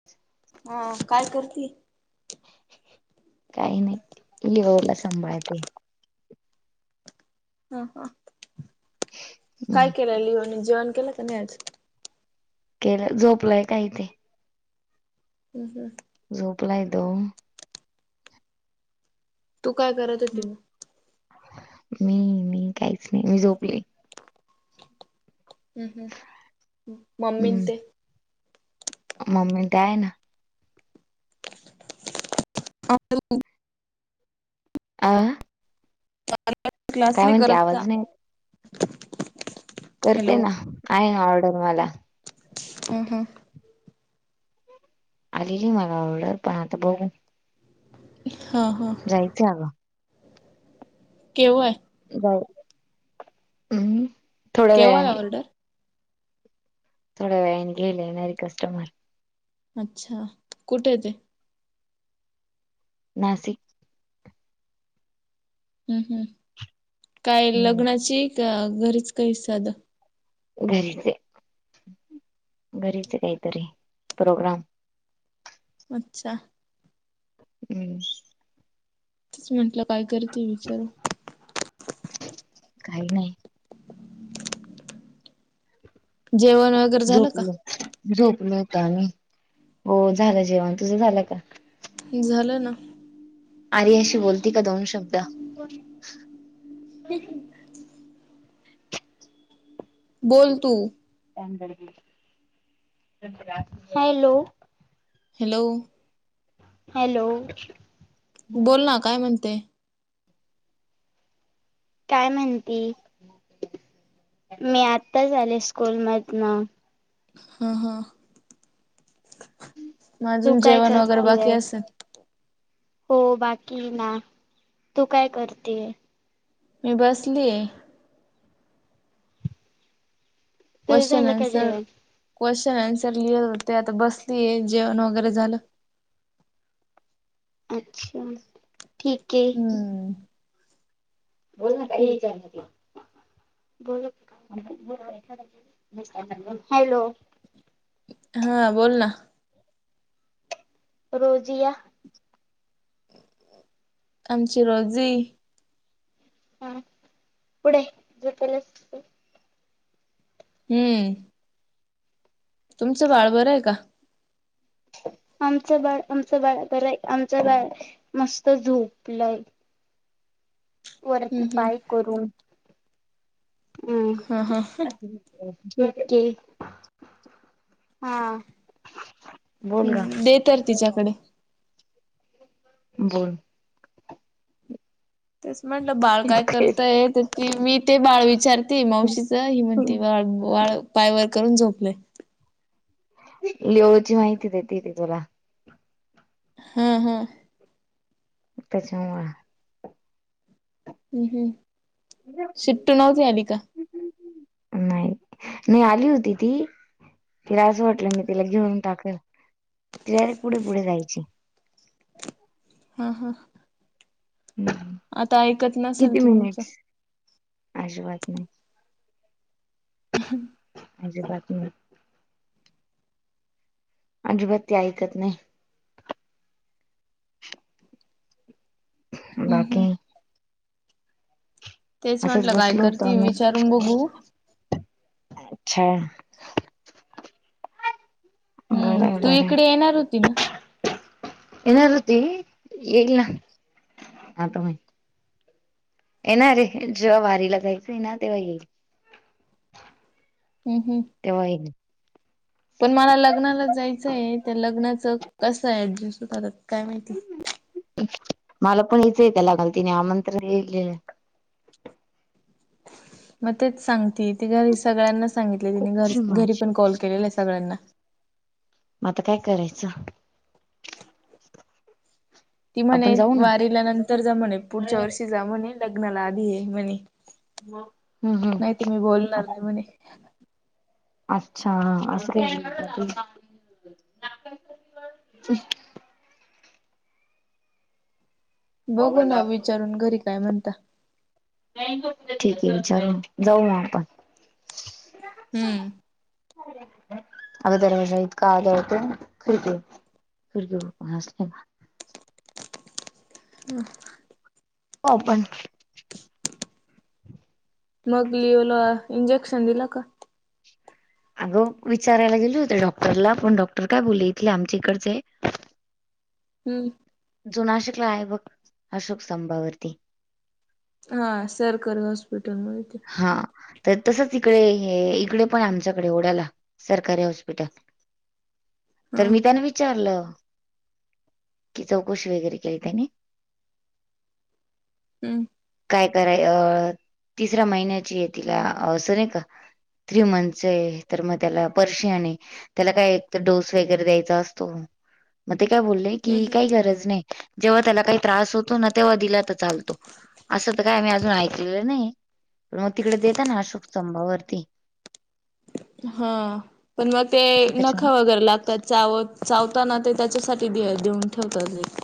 ह हा काय करती? काही नाही ती लिओला सांभाळते. हं हं काय हम्म केलंय लिओने, जेवण केलंय का नाय आज? केलं झोपलंय काय इथे? हम् हम्. झोपलाय तो. तू काय करत होती मग? मी मी काहीच नाही, मी झोपले. हं हं मम्मी न ते. हम्म मम्मी ते आहे ना. [inaudible] आ? [unintelligible] क्लास नाही करत का? आवाज नाही करते ना, आहे ऑर्डर मला. अं हं. आलेली मला ऑर्डर पण आता बघू. हा हा. जायचं हाय अगं. केव्हा हाय? [unintelligible] अं. केव्हा हाय ऑर्डर? थोड्या वेळाने घ्यायला येणार आहे कस्टमर. अच्छा कुठे हाय ते? नाशिक. हम्म हम्म काय हम्म लग्नाची का घरीच काही सादं? घरीच आहे घरीच आहे काहीतरी प्रोग्राम. अच्छा. हं. तेच म्हटलं काय करते विचारू. काय नाही. जेवण वैगेरै झालं का? झोपलोयत आम्ही हो झालं जेवण तुझं झालं का? झालं ना. आरयाशी बोलती का दोन शब्द? [unintelligible] बोल तू. Hello hello. हॅलो. बोल ना काय म्हणते? काय म्हणती, मी आत्ताच आले स्कूलमधन. हा हा म तू अजून काय जेवण वगैरे करतेय बाकी असेल. हो बाकी ना तु काय करते? मी बसली आहे. तुझ क्वेश्चन झालं का आन्सर जेवण क्वेश्चन आन्सर लिहत होते आता बसलीये जेवण वगैरे झालं. अच्छा ठीक ए. हम्म. बोल ना काही [unintelligible] दे. हॅलो हा बोल ना. रोजिया आमची रोजी हा पुढे झोपलस तर. हम्म.. तुमचं बाळ बरं आहे का? आमचं बाळ आमचं बाळ तर आहे आमचं बाळ मस्त झोपल आहे. वरती हम्म हम्म पाय करून उम्म. हा हा हो ठिक हा.. बोल ग हम्म दे तर तिच्याकडे. बोल तेच म्हटलं बाळ काय करतय तर ती मी ते बाळ विचार ते मावशीचं ही म्हणती बाळ बाळ पाय वर करून झोपलय. लिओची माहिती देती ती तुला. हा हा. त्याच्यामुळं हम्म हम्म शिटी नव्हती आली का? नाय नाय आली होती ती तिला असं वाटलं मी तिला घेऊन टाकल ती डायरेक पुढे-पुढे जायाची. हा हा. हम्म आता ऐकत नसेल किती तुमचं मिनिटस अजिबात नाही. [unintelligible] माझी बातमी आजिबात ती ऐकत नाय. हम्म हम्म. बाकी तेच असंच म्हटलं काय बसलो होतं करते विचारून आम्ही बघू अच्छा. बरं हम्म आहे तू बरं इकडे आहे येणार होती ना. येणार होती एकला. [inaudible] येणारे जेव्हा वारीला जायचं येणार तेव्हा येईल. हम्म हम्म. तेव्हा पण मला लग्नाला जायचं आहे त्या लग्नाचं कसं आहे ऍडजस्ट करत काय माहिती. मला पण हच ऐका लागल तिनी आमंत्रण दिले. म तेच सांगते ती घरी सगळ्यांना सांगितली तिने घर घरी माझी पण कॉल केलेला आहे सगळ्यांना. म आता काय करायचं. ती आपण म्हणे जाऊ ना वारीला नंतर जा, म्हणे पुढच्या वर्षी जा म्हणे लग्नाला आधी ये म्हणे. हम्म हम्म. नाही तुम्ही बोलणार नाही म्हणे. अच्छा असं काही बोली का ती. बघू ना, विचारून घरी काय म्हणता. ठीक आहे, विचारु जाऊ मग आपण. हम्म. अग दरवाजा इतका आदळतो खिडकी. खिडकी उघडी असली ना. हम. ओपन. मग लीओ ला इंजेक्शन दिला का. अगं विचारायला गेले होते डॉक्टरला, पण डॉक्टर काय बोलले इथले आमच्या इकडचे. हम्म. जो नाशिकला आहे, बघ अशोक स्तंभावरती. हा सरकारी हॉस्पिटल माहिते हा तर तसच इकडे हे इकडे पण आमच्याकडे ओढ्या ला सरकारी हॉस्पिटल हा तर मी त्यान विचारलं. की चौकशी वगैरे केली त्यानी. हम्म काय कराय अं.. तिसऱ्या महिन्याची ये, तिला असं नाही का. थ्री मंथ चये तर, मग त्याला परर्षी आणि. त्याला काय तर डोस वगैरे द्यायचा असतो म ते काय बोले की हम्म हम्म. काही गरज नाही. जेव्हा त्याला काही त्रास होतो ना, तेव्हा दिला तर चालतो. असं तर काय मी अजून ऐकलेलं नाही. म तिकडे देता ना अशोकस्तंभा वरती. हा पण मग ते त्याच्या नख वगैरे लागतात. चावत चावताना ते त्याच्यासाठी दे देऊन ठेवतात.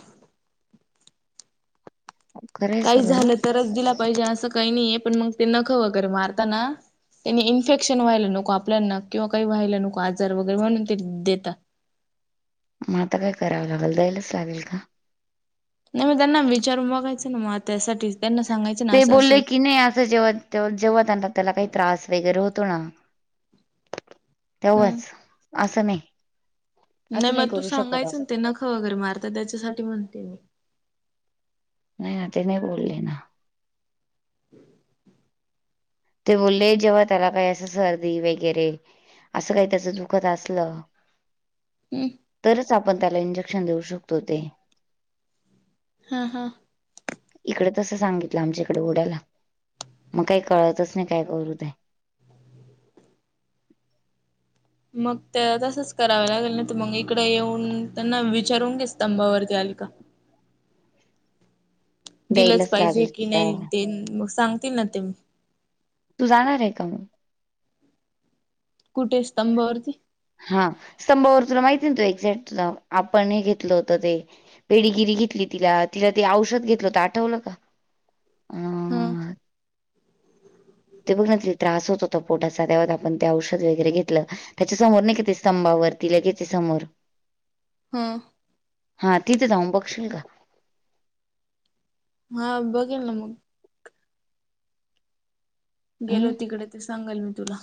खरंय काही सगळं झालं तरच दिलं पाहिजे, असं काही नाहीय पण मग ते नख वगैरे मारतना. त्यांनी इन्फेक्शन व्हायला नको आपल्याना किंवा काही व्हायला नको आजार वगैरे म्हणून ते देतात. मग आता काय करावं लागेल द्यायलाच लागेल का. नाही मग त्यांना विचारून बघायचं ना म त्यासाठी त्यां ते बोलले की नाही असं जेवत ते जेव्हा त्यांना त्याला काही त्रास वगैरे होतो ना. हम्म. तेव्हाच असं नाही. नाही असं मग तू करू शकत सांगायच ना ते नखं वगैरे मारता त्याच्यासाठी म्हणते मी. नाही ना ते, नाही बोलले ना. [inaudible] ते बोले जेव्हा त्याला काही असं सर्दी वगैरे असं काही त्याच दुखत असलं. [inaudible] हम्. तरचं आपण त्याला इंजेक्शन देऊ शकतो ते. हा हा. इकडे तसं सांगितलं, आमच्या इकडे उडाल्या मग काही कळतंच. काय करू ते, मग ते तसंच करावं लागेल ना, तर मग इकडे येऊन त्यांना विचारून घे स्तंभावरती आले कां. दिलंच द्यायलाच पाहिजे लागेल की काय नाही ते मग सांगतील ना ते. तू जाणार आहे का म? कुटे स्थंभवरती हा स्तंभवर तुला माहिती ना एक्झॅक्ट आपण हे घेतलं होतं ते पेडीगिरी घेतली तिला तिला ते औषध घेतलं तर आठवलं का? हां. अ ते बघ ना तिला त्रास होतो. तो पोटासा त्याव आपण ते औषध वगैरे घेतलं त्याच्या समोर नाहीका ते स्तंभावरती लगेच आहे समोर. [inaudible] हां. हा तिथे जाऊन बघशील का? हा, बघेल ना मग. गेलो हं. तिकडे ते सांगल मी तुला.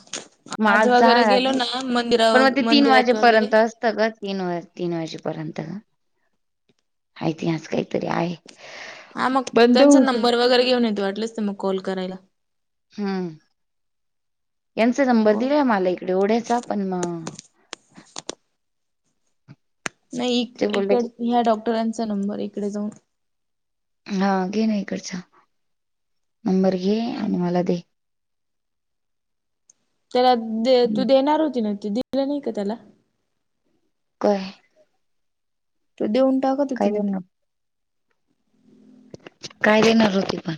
मग आज वगैरे जाणार गेलो ना मंदिरा व मंदिरात वगैरे त ग तीन तीन वाजेपर्यंत हाय काही तरी आहे. हा मग बंद त्यांचा होत नंबर वगैरे घेऊन येतो वाटलेस ते मग कॉल करायला. हम्म. यांचा मग नंबर कॉल दिलाय मला इकडे ओढ्याचा पण म. नाही इक ते बोलले इकड ह्या डॉक्टरांचा नंबर आहे इकडे जाऊन हा घेणा इकडचा नंबर घे, हम्म आणि मला दे. त्याला दे तू देणार होती ना ते दिलं नाही का त्याला? काय तो देऊन टाकत होती काय ना ती. देणार काय देणार होती पण,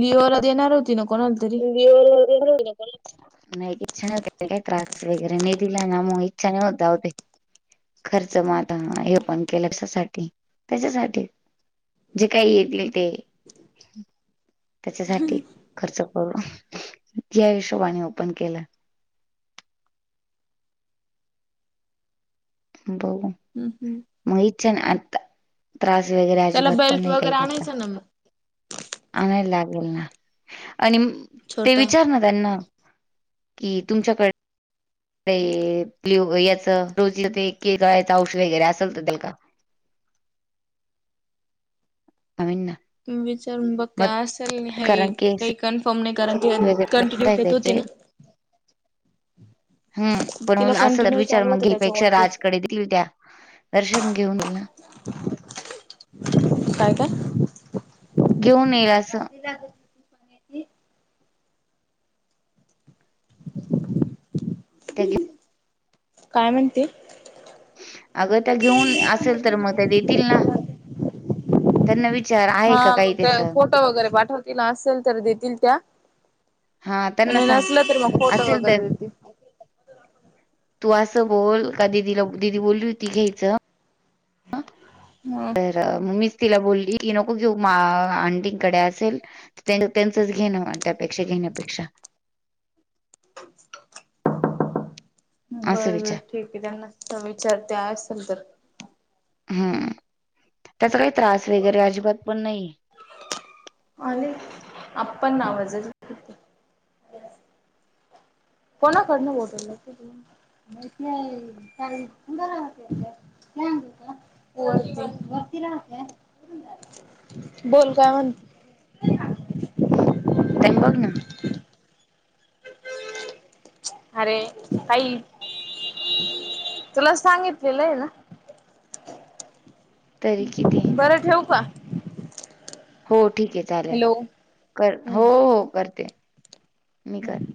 लिओला देणार होती, ना कोणाला तरी. [unintelligible] नाही इच्छा नाही होते. काय त्रास वगैरे नाही दिला ना, मग इच्छा नाही होता जाऊदे. खर्च मग आता, हे पण केलं कशासाठी त्याच्यासाठी. जे काही येतील ते तेच्यासाठी खर्च. हो, जा हिशोबाने ओपन केलं. बघु. हम् हम्. मग इच्छा नाही आता त्रास वगैरे त्याला अजिबात पण बेल्ट नाही काही वगैरे त्याचा. आणायचा ना मग आणायला लागेल ना आणि ते छोटा. विचारणार त्यांना कि तुमच्याकडे ते त्लियो याच रोजलं ते [unintelligible] औष वगैरे असेच ते देयाल का? आम्ही ना. विचारून बघते असेल हे कारण केस काही, कन्फर्म नाही कारण की कंटिन्यू वगैरे देत होती त्याचे ना. हम्म पण तिला असं तर कंटिन्यू विचार चालू मग होत गीर त्याच्यामुळे पेक्षा ते राजकडे दे. तित्या दर्शन घेऊन येईल ना. [inaudible] काय काय, घेऊन येगाच [unintelligible] त्याच्या काय म्हणते. अगं त्या घेऊन असेल तर मग त्या देतील ना त्यांना विच विचार आहे का काही त्याचं. ट वगैरे पाठवतील असेल तर देतील त्या. हा त्यांना आणि सांग नसलं तरी मग फोटो असेल तर वगैरे देतील. तू असं बोल, का दिदीला दिदी बोलली होती घ्यायचं. हो. तर मम्मीच तिला बोलली की नको घेऊ मा आणंटीकडे असेल. त्यां त्यांचंच घेणं म्हण त्यापेक्षा घेण्यापेक्षा. असं बर बर. विचार ठीक आहे त्यांना विचारते असल तर. हम्म त्याचा काही त्रास वगैरे अजिबात पण नाही. अले आपण नावाजल कोणाकडनं बोटल [inaudible] नाही. [unintelligible] बोल काय म्हण टाईम बघ ना. अरे काही तुला सांगितलेलंय आहे ना. [inaudible] किती बरं ठेव का? हो ठीक आहे चालेल हॅलो कर हम्म हो हो करते मी हम्म. कर